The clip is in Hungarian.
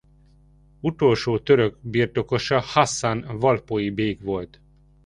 Utolsó török birtokosa Hasszán valpói bég volt.